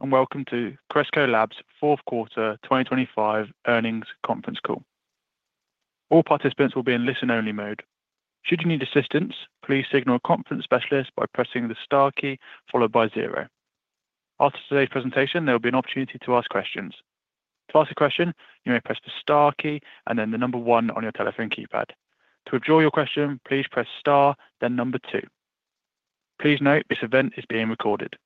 Welcome to Cresco Labs' Q4 2025 Earnings Conference Call. All participants will be in listen-only mode. Should you need assistance, please signal a conference specialist by pressing the star key followed by zero. After today's presentation, there will be an opportunity to ask questions. To ask a question, you may press the star key and then the number one on your telephone keypad. To withdraw your question, please press star then number two. Please note this event is being recorded.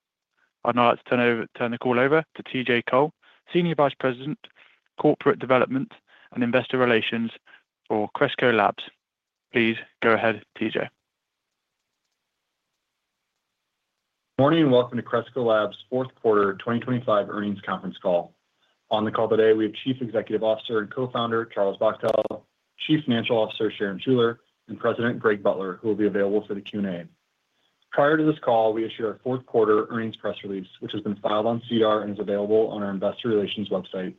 I'd now like to turn the call over to TJ Cole, Senior Vice President, Corporate Development and Investor Relations for Cresco Labs. Please go ahead, TJ. Morning, and welcome to Cresco Labs' Q4 2025 Earnings Conference Call. On the call today, we have Chief Executive Officer and Co-founder, Charles Bachtell, Chief Financial Officer, Sharon Schuler, and President, Greg Butler, who will be available for the Q&A. Prior to this call, we issued our Q4 earnings press release, which has been filed on SEDAR and is available on our investor relations website.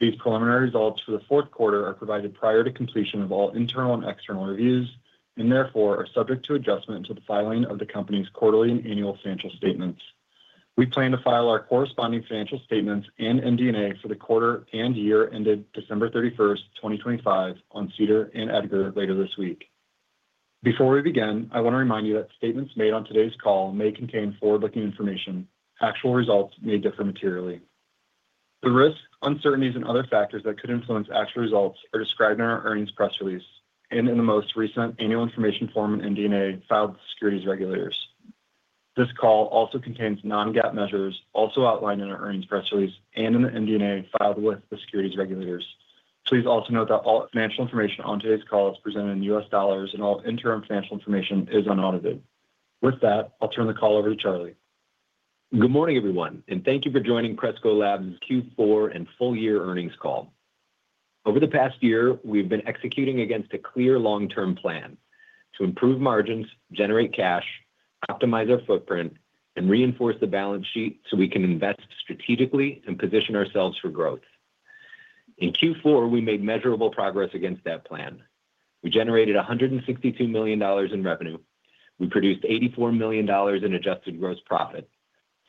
These preliminary results for the Q4 are provided prior to completion of all internal and external reviews, and therefore are subject to adjustment to the filing of the company's quarterly and annual financial statements. We plan to file our corresponding financial statements in MD&A for the quarter and year ended December 31st, 2025 on SEDAR and EDGAR later this week. Before we begin, I wanna remind you that statements made on today's call may contain forward-looking information. Actual results may differ materially. The risks, uncertainties, and other factors that could influence actual results are described in our earnings press release and in the most recent annual information form in MD&A filed with securities regulators. This call also contains non-GAAP measures, also outlined in our earnings press release and in the MD&A filed with the securities regulators. Please also note that all financial information on today's call is presented in US dollars, and all interim financial information is unaudited. With that, I'll turn the call over to Charlie. Good morning, everyone, and thank you for joining Cresco Labs' Q4 and full-year earnings call. Over the past year, we've been executing against a clear long-term plan to improve margins, generate cash, optimize our footprint, and reinforce the balance sheet so we can invest strategically and position ourselves for growth. In Q4, we made measurable progress against that plan. We generated $162 million in revenue. We produced $84 million in adjusted gross profit,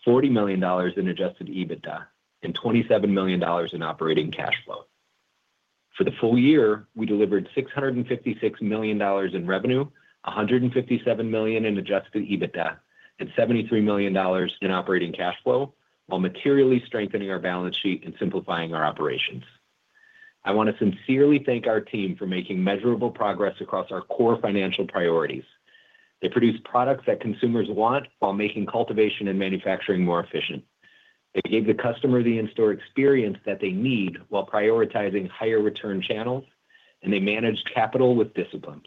$40 million in Adjusted EBITDA, and $27 million in operating cash flow. For the full year, we delivered $656 million in revenue, $157 million in Adjusted EBITDA, and $73 million in operating cash flow, while materially strengthening our balance sheet and simplifying our operations. I wanna sincerely thank our team for making measurable progress across our core financial priorities. They produce products that consumers want while making cultivation and manufacturing more efficient. They gave the customer the in-store experience that they need while prioritizing higher return channels. They manage capital with discipline.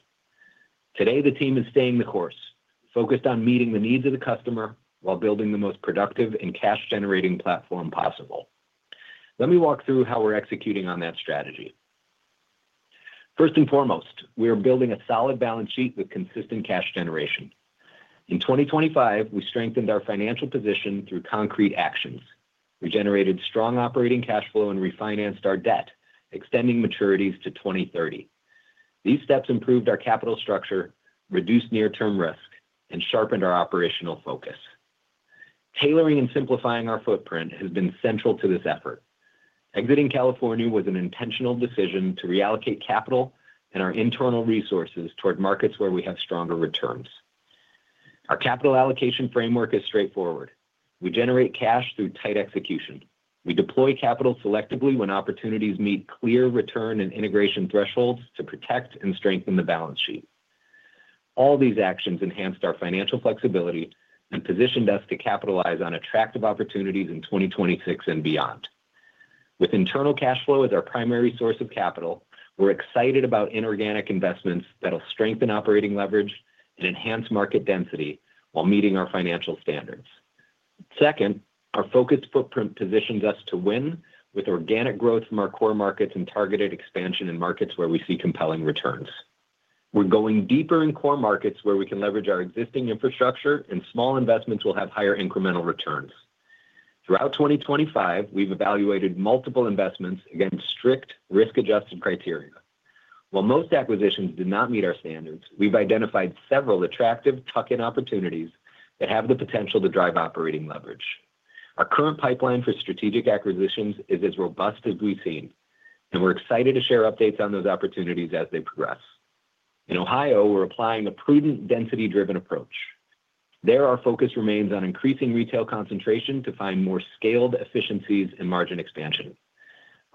Today, the team is staying the course, focused on meeting the needs of the customer while building the most productive and cash-generating platform possible. Let me walk through how we're executing on that strategy. First and foremost, we are building a solid balance sheet with consistent cash generation. In 2025, we strengthened our financial position through concrete actions. We generated strong operating cash flow and refinanced our debt, extending maturities to 2030. These steps improved our capital structure, reduced near-term risk, and sharpened our operational focus. Tailoring and simplifying our footprint has been central to this effort. Exiting California was an intentional decision to reallocate capital and our internal resources toward markets where we have stronger returns. Our capital allocation framework is straightforward. We generate cash through tight execution. We deploy capital selectively when opportunities meet clear return and integration thresholds to protect and strengthen the balance sheet. All these actions enhanced our financial flexibility and positioned us to capitalize on attractive opportunities in 2026 and beyond. With internal cash flow as our primary source of capital, we're excited about inorganic investments that'll strengthen operating leverage and enhance market density while meeting our financial standards. Second, our focused footprint positions us to win with organic growth from our core markets and targeted expansion in markets where we see compelling returns. We're going deeper in core markets where we can leverage our existing infrastructure and small investments will have higher incremental returns. Throughout 2025, we've evaluated multiple investments against strict risk-adjusted criteria. While most acquisitions did not meet our standards, we've identified several attractive tuck-in opportunities that have the potential to drive operating leverage. Our current pipeline for strategic acquisitions is as robust as we've seen, and we're excited to share updates on those opportunities as they progress. In Ohio, we're applying a prudent density-driven approach. There, our focus remains on increasing retail concentration to find more scaled efficiencies and margin expansion.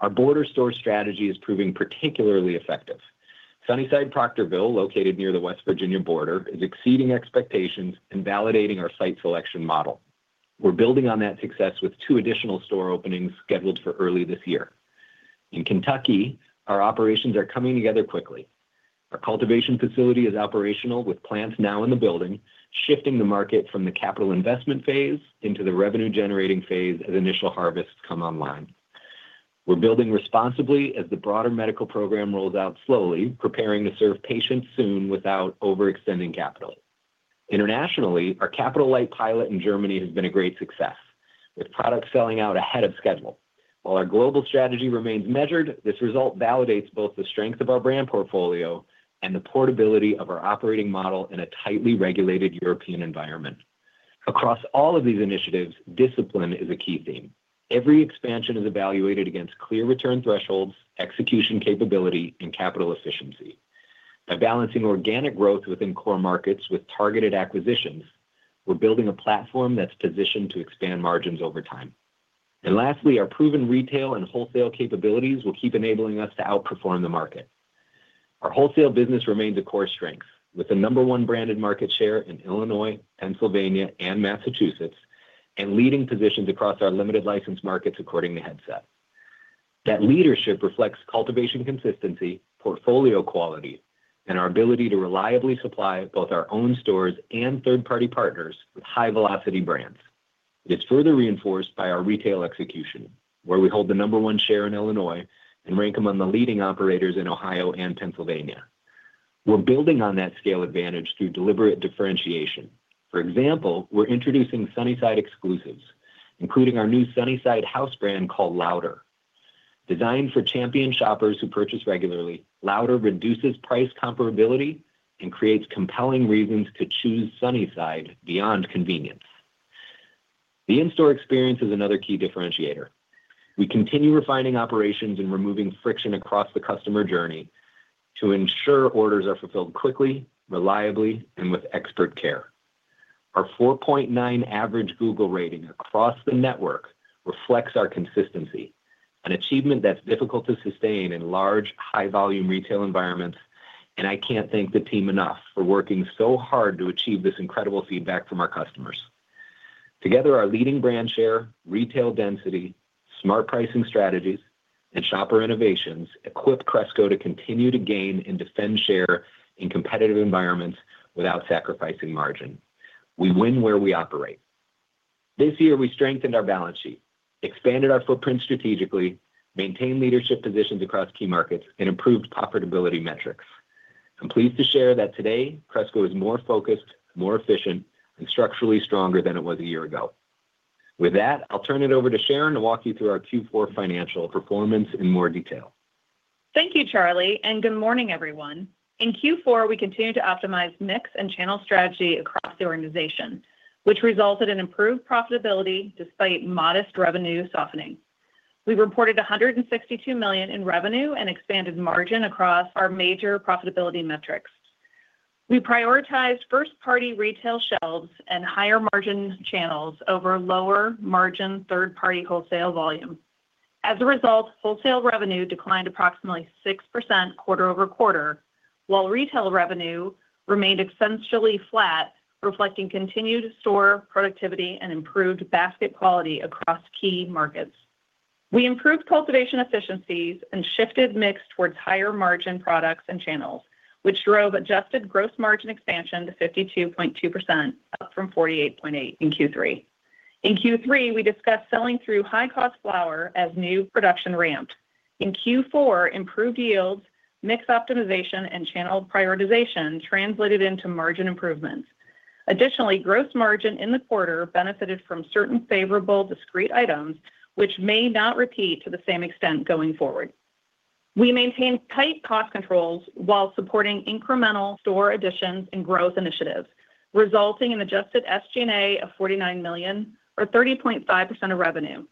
Our border store strategy is proving particularly effective. Sunnyside Proctorville, located near the West Virginia border, is exceeding expectations and validating our site selection model. We're building on that success with two additional store openings scheduled for early this year. In Kentucky, our operations are coming together quickly. Our cultivation facility is operational with plants now in the building, shifting the market from the capital investment phase into the revenue-generating phase as initial harvests come online. We're building responsibly as the broader medical program rolls out slowly, preparing to serve patients soon without overextending capital. Internationally, our capital-light pilot in Germany has been a great success. With products selling out ahead of schedule. While our global strategy remains measured, this result validates both the strength of our brand portfolio and the portability of our operating model in a tightly regulated European environment. Across all of these initiatives, discipline is a key theme. Every expansion is evaluated against clear return thresholds, execution capability, and capital efficiency. By balancing organic growth within core markets with targeted acquisitions, we're building a platform that's positioned to expand margins over time. Lastly, our proven retail and wholesale capabilities will keep enabling us to outperform the market. Our wholesale business remains a core strength with the number one branded market share in Illinois, Pennsylvania, and Massachusetts, and leading positions across our limited licensed markets according to Headset. That leadership reflects cultivation consistency, portfolio quality, and our ability to reliably supply both our own stores and third-party partners with high-velocity brands. It's further reinforced by our retail execution, where we hold the number one share in Illinois and rank among the leading operators in Ohio and Pennsylvania. We're building on that scale advantage through deliberate differentiation. For example, we're introducing Sunnyside exclusives, including our new Sunnyside house brand called LOUDER. Designed for champion shoppers who purchase regularly, Louder reduces price comparability and creates compelling reasons to choose Sunnyside beyond convenience. The in-store experience is another key differentiator. We continue refining operations and removing friction across the customer journey to ensure orders are fulfilled quickly, reliably, and with expert care. Our four point nine average Google rating across the network reflects our consistency, an achievement that's difficult to sustain in large, high-volume retail environments. I can't thank the team enough for working so hard to achieve this incredible feedback from our customers. Together, our leading brand share, retail density, smart pricing strategies, and shopper innovations equip Cresco to continue to gain and defend share in competitive environments without sacrificing margin. We win where we operate. This year, we strengthened our balance sheet, expanded our footprint strategically, maintained leadership positions across key markets, and improved profitability metrics. I'm pleased to share that today, Cresco is more focused, more efficient, and structurally stronger than it was a year ago. With that, I'll turn it over to Sharon to walk you through our Q4 financial performance in more detail. Thank you, Charlie. Good morning, everyone. In Q4, we continued to optimize mix and channel strategy across the organization, which resulted in improved profitability despite modest revenue softening. We reported $162 million in revenue and expanded margin across our major profitability metrics. We prioritized first-party retail shelves and higher-margin channels over lower-margin third-party wholesale volume. As a result, wholesale revenue declined approximately 6% quarter-over-quarter, while retail revenue remained ostensibly flat, reflecting continued store productivity and improved basket quality across key markets. We improved cultivation efficiencies and shifted mix towards higher-margin products and channels, which drove Adjusted Gross Margin expansion to 52.2%, up from 48.8% in Q3. In Q3, we discussed selling through high-cost flower as new production ramped. In Q4, improved yields, mix optimization, and channel prioritization translated into margin improvements. Additionally, gross margin in the quarter benefited from certain favorable discrete items, which may not repeat to the same extent going forward. We maintained tight cost controls while supporting incremental store additions and growth initiatives, resulting in adjusted SG&A of $49 million or 30.5% of revenue.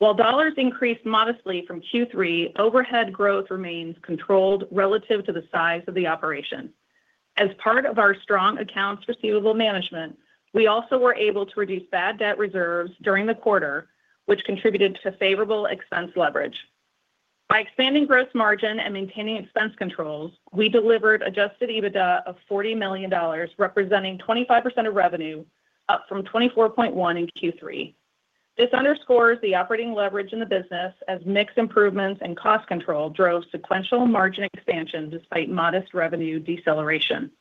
While dollars increased modestly from Q3, overhead growth remains controlled relative to the size of the operation. As part of our strong accounts receivable management, we also were able to reduce bad debt reserves during the quarter, which contributed to favorable expense leverage. By expanding gross margin and maintaining expense controls, we delivered Adjusted EBITDA of $40 million, representing 25% of revenue, up from 24.1% in Q3. This underscores the operating leverage in the business as mix improvements and cost control drove sequential margin expansion despite modest revenue deceleration.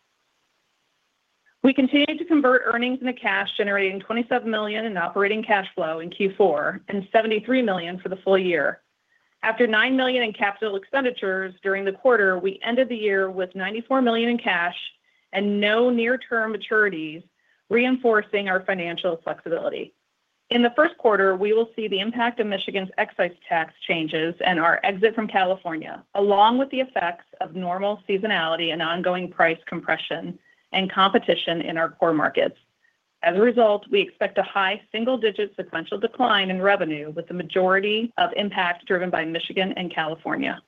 We continued to convert earnings into cash, generating $27 million in operating cash flow in Q4 and $73 million for the full year. After $9 million in capital expenditures during the quarter, we ended the year with $94 million in cash and no near-term maturities, reinforcing our financial flexibility. In the Q1, we will see the impact of Michigan's excise tax changes and our exit from California, along with the effects of normal seasonality and ongoing price compression and competition in our core markets. As a result, we expect a high single-digit sequential decline in revenue, with the majority of impact driven by Michigan and California.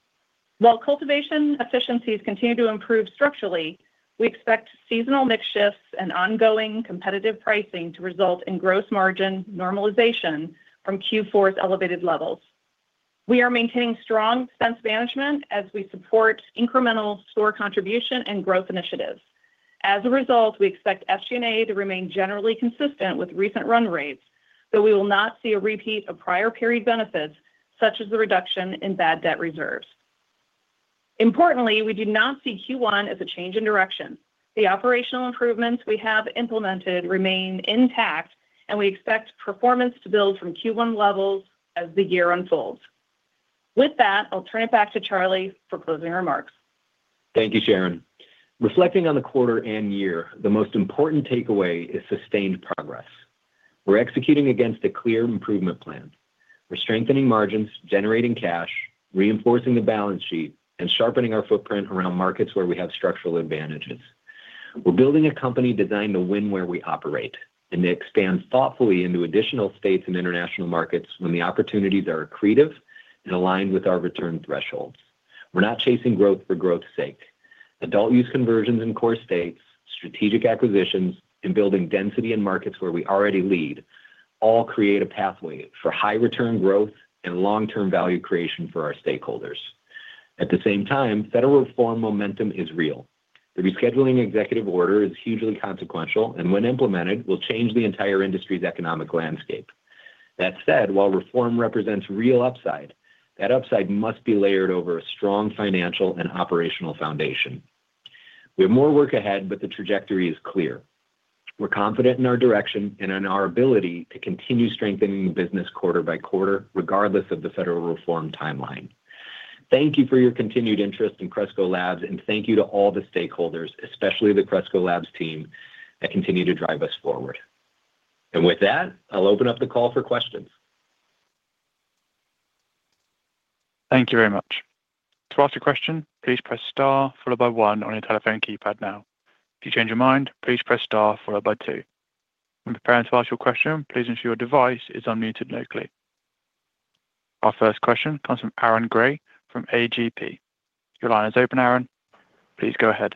While cultivation efficiencies continue to improve structurally, we expect seasonal mix shifts and ongoing competitive pricing to result in gross margin normalization from Q4's elevated levels. We are maintaining strong expense management as we support incremental store contribution and growth initiatives. As a result, we expect SG&A to remain generally consistent with recent run rates, though we will not see a repeat of prior period benefits, such as the reduction in bad debt reserves. Importantly, we do not see Q1 as a change in direction. The operational improvements we have implemented remain intact, and we expect performance to build from Q1 levels as the year unfolds. With that, I'll turn it back to Charlie for closing remarks. Thank you, Sharon. Reflecting on the quarter and year, the most important takeaway is sustained progress. We're executing against a clear improvement plan. We're strengthening margins, generating cash, reinforcing the balance sheet, and sharpening our footprint around markets where we have structural advantages. We're building a company designed to win where we operate, and to expand thoughtfully into additional states and international markets when the opportunities are accretive and aligned with our return thresholds. We're not chasing growth for growth's sake. Adult use conversions in core states, strategic acquisitions, and building density in markets where we already lead all create a pathway for high return growth and long-term value creation for our stakeholders. Federal reform momentum is real. The rescheduling executive order is hugely consequential, and when implemented, will change the entire industry's economic landscape. That said, while reform represents real upside, that upside must be layered over a strong financial and operational foundation. We have more work ahead, but the trajectory is clear. We're confident in our direction and in our ability to continue strengthening the business quarter-by-quarter, regardless of the federal reform timeline. Thank you for your continued interest in Cresco Labs, thank you to all the stakeholders, especially the Cresco Labs team that continue to drive us forward. With that, I'll open up the call for questions. Thank you very much. To ask a question, please press star followed by one on your telephone keypad now. If you change your mind, please press star followed by two. When preparing to ask your question, please ensure your device is unmuted locally. Our first question comes from Aaron Grey from AGP. Your line is open, Aaron. Please go ahead.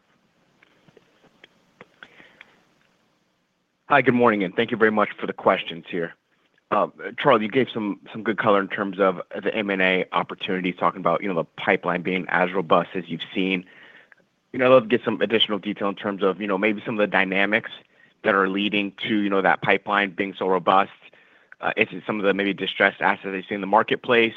Hi, good morning, and thank you very much for the questions here. Charlie, you gave some good color in terms of the M&A opportunity, talking about, you know, the pipeline being as robust as you've seen. You know, I'd love to get some additional detail in terms of, you know, maybe some of the dynamics that are leading to, you know, that pipeline being so robust. Is it some of the maybe distressed assets that you see in the marketplace,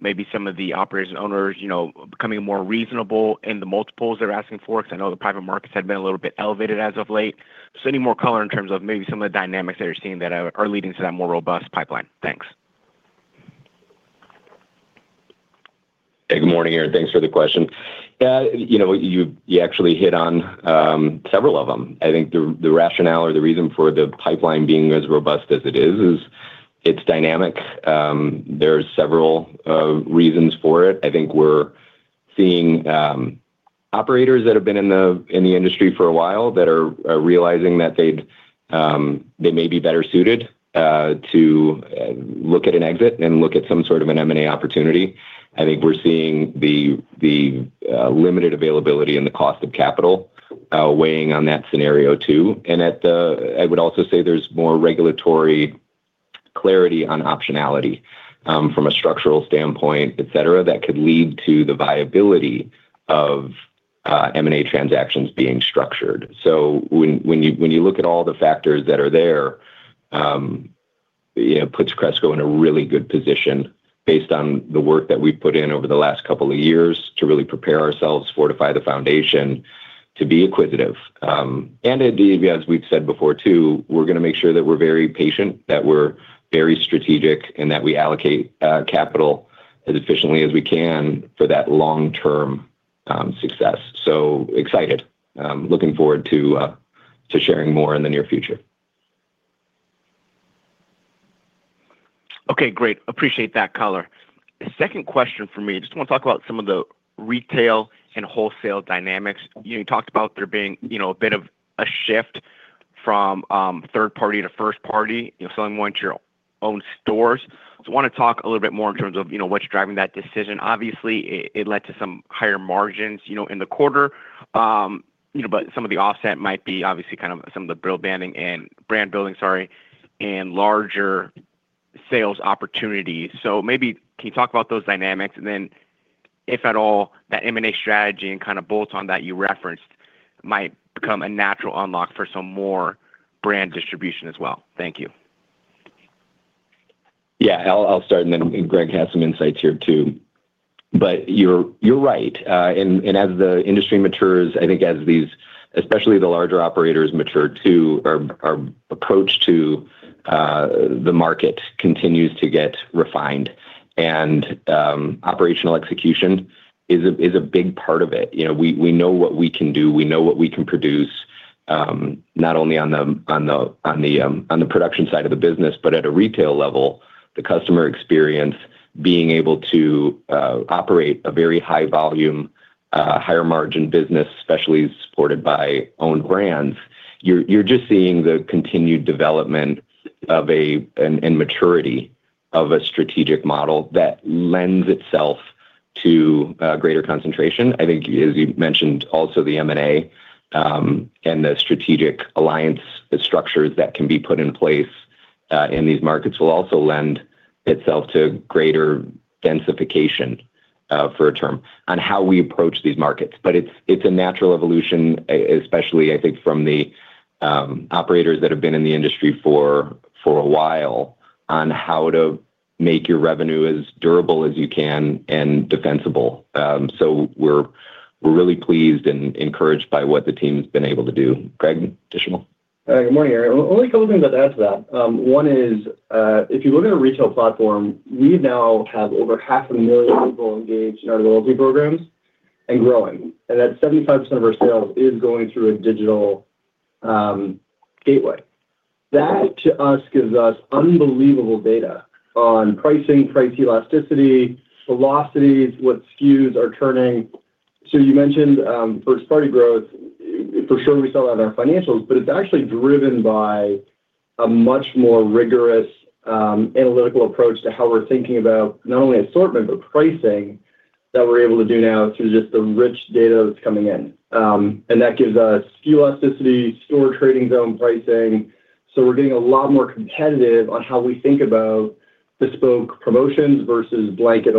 maybe some of the operators and owners, you know, becoming more reasonable in the multiples they're asking for? I know the private markets had been a little bit elevated as of late. Any more color in terms of maybe some of the dynamics that you're seeing that are leading to that more robust pipeline. Thanks. Hey, good morning, Aaron. Thanks for the question. You know, you actually hit on several of them. I think the rationale or the reason for the pipeline being as robust as it is it's dynamic. There's several reasons for it. I think we're seeing operators that have been in the industry for a while that are realizing that they may be better suited to look at an exit and look at some sort of an M&A opportunity. I think we're seeing the limited availability and the cost of capital weighing on that scenario too. I would also say there's more regulatory clarity on optionality from a structural standpoint, et cetera, that could lead to the viability of M&A transactions being structured. When, when you, when you look at all the factors that are there, it puts Cresco in a really good position based on the work that we've put in over the last couple of years to really prepare ourselves, fortify the foundation to be acquisitive. And indeed, as we've said before too, we're gonna make sure that we're very patient, that we're very strategic, and that we allocate capital as efficiently as we can for that long-term success. Excited. Looking forward to sharing more in the near future. Okay, great. Appreciate that color. Second question for me, just want to talk about some of the retail and wholesale dynamics. You know, you talked about there being, you know, a bit of a shift from third party to first party, you know, selling more into your own stores. I want to talk a little bit more in terms of, you know, what's driving that decision. Obviously, it led to some higher margins, you know, in the quarter. You know, some of the offset might be obviously kind of some of the brand building, sorry, and larger sales opportunities. Maybe can you talk about those dynamics, and then if at all that M&A strategy and kind of bolts on that you referenced might become a natural unlock for some more brand distribution as well. Thank you. Yeah. I'll start and then Greg has some insights here too. You're right. As the industry matures, I think as these, especially the larger operators mature too, our approach to the market continues to get refined and operational execution is a big part of it. You know, we know what we can do, we know what we can produce, not only on the production side of the business, but at a retail level, the customer experience being able to operate a very high volume, higher margin business, especially supported by owned brands. You're just seeing the continued development of a, and maturity of a strategic model that lends itself to greater concentration. I think, as you mentioned, also the M&A, and the strategic alliance structures that can be put in place, in these markets will also lend itself to greater densification, for a term, on how we approach these markets. It's a natural evolution, especially I think from the operators that have been in the industry for a while, on how to make your revenue as durable as you can and defensible. We're really pleased and encouraged by what the team's been able to do. Greg, additional? Good morning, Aaron. Only a couple of things I'd add to that. One is, if you look at a retail platform, we now have over half a million people engaged in our loyalty programs and growing, and that 75% of our sales is going through a digital, gateway. That, to us, gives us unbelievable data on pricing, price elasticity, velocities, what SKUs are turning. You mentioned, first-party growth. For sure, we saw it on our financials, but it's actually driven by a much more rigorous, analytical approach to how we're thinking about not only assortment, but pricing that we're able to do now through just the rich data that's coming in. That gives us elasticity, store trading zone pricing. We're getting a lot more competitive on how we think about bespoke promotions versus blanket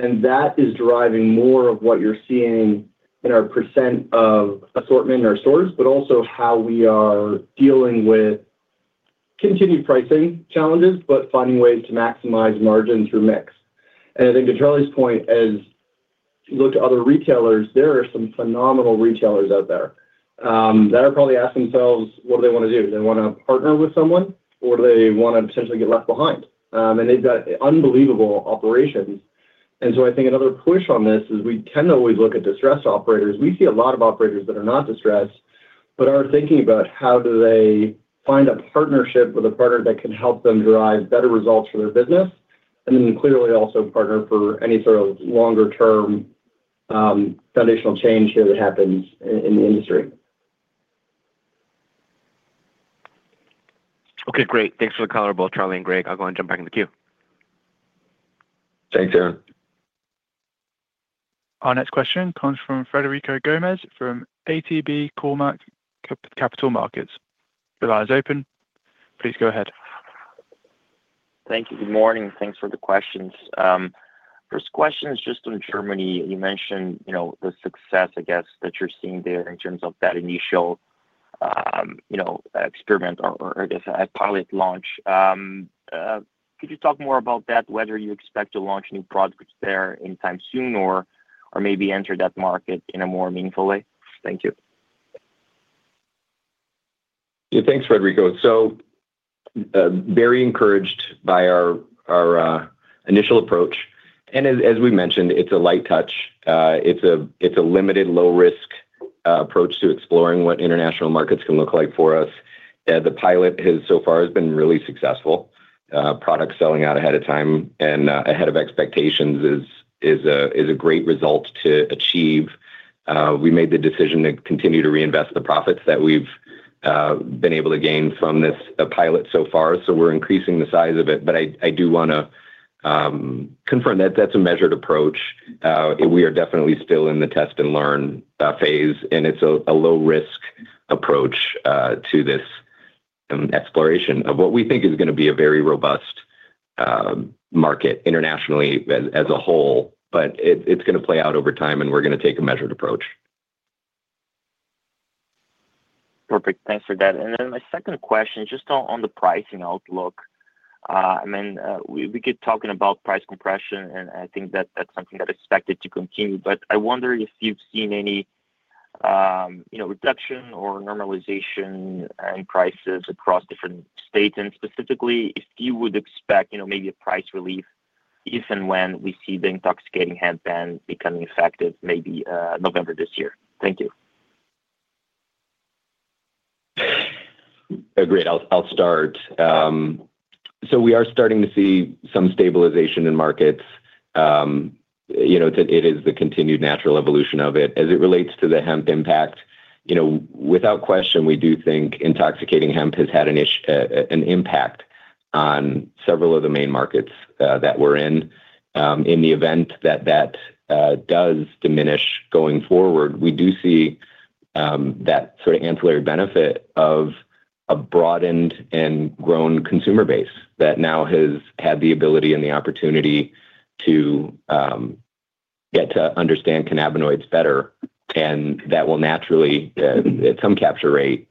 always-on. That is driving more of what you're seeing in our % of assortment in our stores, but also how we are dealing with continued pricing challenges, but finding ways to maximize margin through mix. I think to Charlie's point, as you look to other retailers, there are some phenomenal retailers out there, that are probably asking themselves what do they wanna do. Do they wanna partner with someone, or do they wanna potentially get left behind? They've got unbelievable operations. I think another push on this is we tend to always look at distressed operators. We see a lot of operators that are not distressed, but are thinking about how do they find a partnership with a partner that can help them derive better results for their business. I mean, clearly also partner for any sort of longer term, foundational change here that happens in the industry. Okay. Great. Thanks for the color, both Charlie and Greg. I'll go and jump back in the queue. Thanks, Aaron. Our next question comes from Frederico Gomes from ATB Capital Markets. The line is open. Please go ahead. Thank you. Good morning. Thanks for the questions. First question is just on Germany. You mentioned, you know, the success, I guess, that you're seeing there in terms of that initial, you know, experiment or I guess, pilot launch. Could you talk more about that, whether you expect to launch new products there anytime soon or maybe enter that market in a more meaningful way? Thank you. Thanks, Frederico. Very encouraged by our initial approach. As we mentioned, it's a light touch. It's a limited low risk approach to exploring what international markets can look like for us. The pilot has so far been really successful. Products selling out ahead of time and ahead of expectations is a great result to achieve. We made the decision to continue to reinvest the profits that we've been able to gain from this pilot so far, so we're increasing the size of it. I do wanna confirm that that's a measured approach. We are definitely still in the test and learn phase, and it's a low risk approach to this exploration of what we think is going to be a very robust market internationally as a whole. It's going to play out over time, and we're going to take a measured approach. Perfect. Thanks for that. My second question is just on the pricing outlook. I mean, we keep talking about price compression, and I think that that's something that is expected to continue. I wonder if you've seen any, you know, reduction or normalization in prices across different states, and specifically if you would expect, you know, maybe a price relief if and when we see the intoxicating hemp ban becoming effective maybe, November this year. Thank you. Agreed. I'll start. We are starting to see some stabilization in markets. You know, it is the continued natural evolution of it. As it relates to the hemp impact, you know, without question, we do think intoxicating hemp has had an impact on several of the main markets that we're in. In the event that that does diminish going forward, we do see that sort of ancillary benefit of a broadened and grown consumer base that now has had the ability and the opportunity to get to understand cannabinoids better. That will naturally, at some capture rate,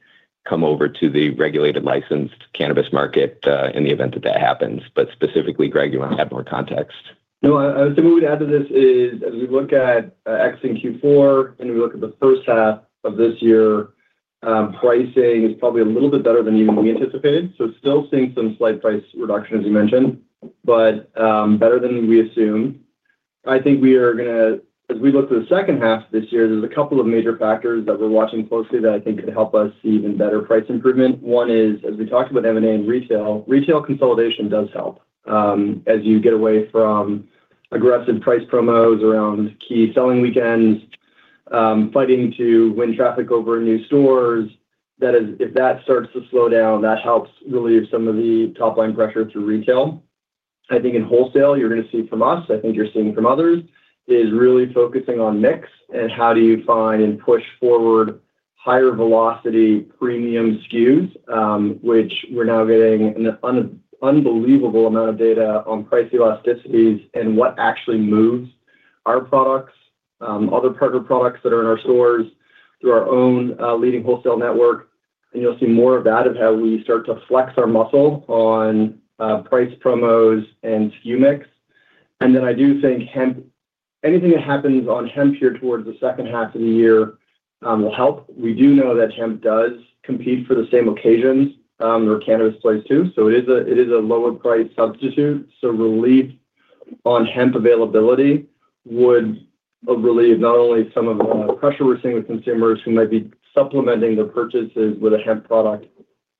come over to the regulated licensed cannabis market in the event that that happens. Specifically, Greg, you wanna add more context? No. Something we'd add to this is, as we look at Q4 and we look at the first half of this year, pricing is probably a little bit better than even we anticipated. Still seeing some slight price reduction, as you mentioned, but better than we assumed. I think we are going to, as we look to the second half this year, there's a couple of major factors that we're watching closely that I think could help us see even better price improvement. One is, as we talked about M&A and retail consolidation does help, as you get away from aggressive price promos around key selling weekends, fighting to win traffic over in new stores. That is, if that starts to slow down, that helps relieve some of the top line pressure through retail. I think in wholesale, you're gonna see from us, I think you're seeing from others, is really focusing on mix and how do you find and push forward higher velocity premium SKUs, which we're now getting an unbelievable amount of data on price elasticities and what actually moves our products, other partner products that are in our stores through our own leading wholesale network. You'll see more of that, of how we start to flex our muscle on price promos and SKU mix. I do think hemp, anything that happens on hemp here towards the second half of the year, will help. We do know that hemp does compete for the same occasions, where cannabis plays too. It is a lower price substitute, so relief on hemp availability would relieve not only some of the pressure we're seeing with consumers who might be supplementing their purchases with a hemp product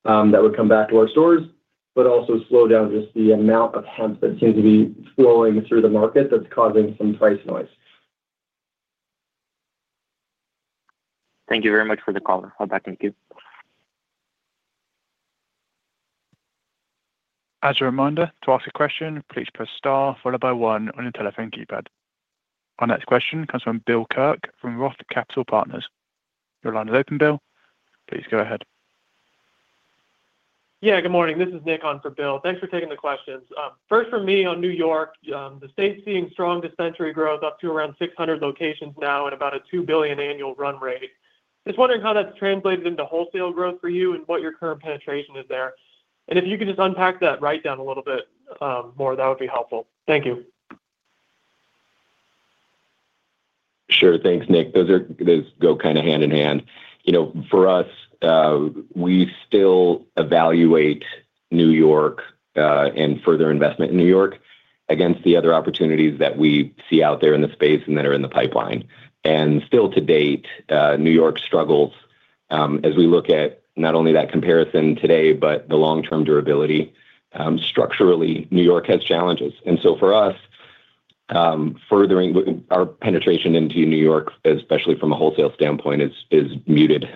that would come back to our stores, but also slow down just the amount of hemp that seems to be flowing through the market that's causing some price noise. Thank you very much for the color. I'll pass back to you. As a reminder, to ask a question, please press star followed by one on your telephone keypad. Our next question comes from Bill Kirk from Roth Capital Partners. Your line is open, Bill. Please go ahead. Yeah, good morning. This is Nick on for Bill. Thanks for taking the questions. First from me on New York, the state's seeing strong dispensary growth up to around 600 locations now at about a $2 billion annual run rate. Just wondering how that's translated into wholesale growth for you and what your current penetration is there. If you could just unpack that write-down a little bit more, that would be helpful. Thank you. Sure. Thanks, Nick. Those go kind of hand in hand. You know, for us, we still evaluate New York and further investment in New York against the other opportunities that we see out there in the space and that are in the pipeline. Still to date, New York struggles as we look at not only that comparison today, but the long-term durability. Structurally, New York has challenges. So for us, furthering our penetration into New York, especially from a wholesale standpoint, is muted.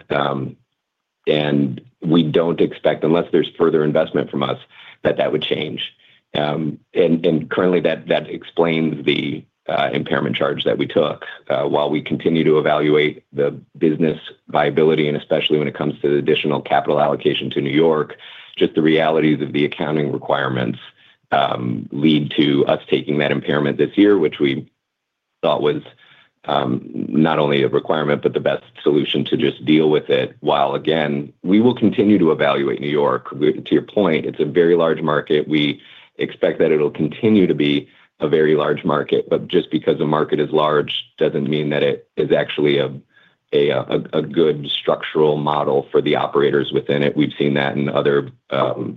We don't expect, unless there's further investment from us, that that would change. Currently, that explains the impairment charge that we took. While we continue to evaluate the business viability, and especially when it comes to the additional capital allocation to New York, just the realities of the accounting requirements, lead to us taking that impairment this year, which we thought was, not only a requirement, but the best solution to just deal with it. While again, we will continue to evaluate New York. To your point, it's a very large market. We expect that it'll continue to be a very large market, but just because a market is large doesn't mean that it is actually a good structural model for the operators within it. We've seen that in other,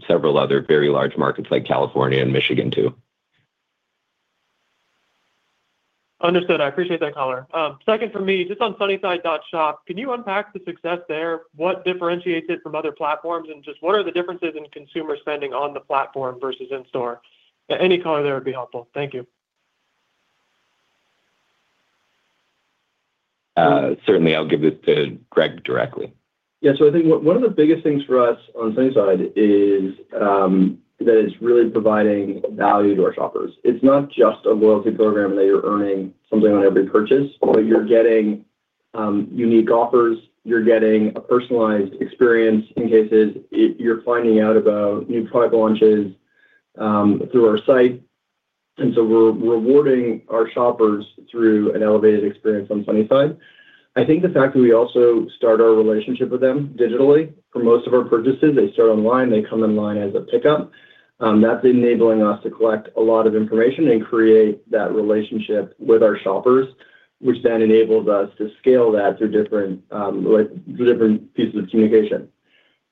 several other very large markets like California and Michigan too. Understood. I appreciate that color. Second for me, just on sunnyside.shop, can you unpack the success there? What differentiates it from other platforms, and just what are the differences in consumer spending on the platform versus in-store? Any color there would be helpful. Thank you. Certainly, I'll give it to Greg directly. I think one of the biggest things for us on Sunnyside is that it's really providing value to our shoppers. It's not just a loyalty program that you're earning something on every purchase, but you're getting unique offers, you're getting a personalized experience in cases, you're finding out about new product launches through our site. We're rewarding our shoppers through an elevated experience on Sunnyside. I think the fact that we also start our relationship with them digitally for most of our purchases, they start online, they come online as a pickup, that's enabling us to collect a lot of information and create that relationship with our shoppers, which then enables us to scale that through different, like different pieces of communication.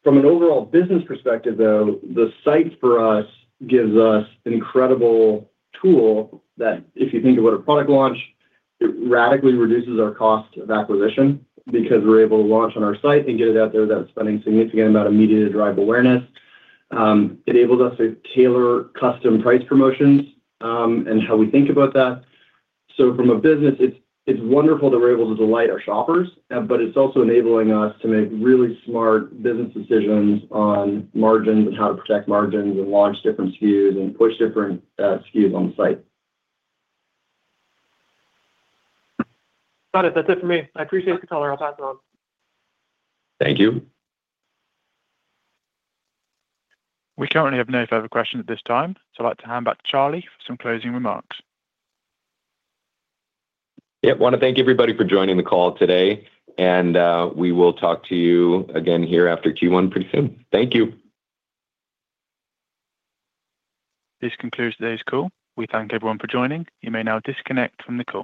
From an overall business perspective, though, the site for us gives us an incredible tool that if you think about a product launch, it radically reduces our cost of acquisition because we're able to launch on our site and get it out there without spending significant amount of media to drive awareness. Enables us to tailor custom price promotions, and how we think about that. From a business, it's wonderful that we're able to delight our shoppers, but it's also enabling us to make really smart business decisions on margins and how to protect margins and launch different SKUs and push different SKUs on the site. Got it. That's it for me. I appreciate the color. I'll pass it on. Thank you. We currently have no further questions at this time. I'd like to hand back to Charlie for some closing remarks. Yeah. Wanna thank everybody for joining the call today, and, we will talk to you again here after Q1 pretty soon. Thank you. This concludes today's call. We thank everyone for joining. You may now disconnect from the call.